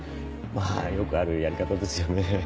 まぁよくあるやり方ですよね。